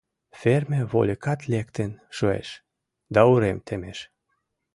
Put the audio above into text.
Ферме вольыкат лектын шуэш, да урем темеш.